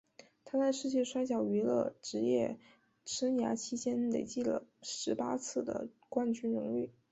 他在世界摔角娱乐职业生涯期间累计了十八次的冠军荣誉。